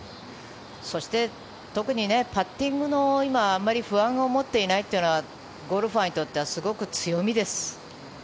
そして、特にパッティングにあまり不安を持っていないというのはゴルファーにとってはすごく強みです。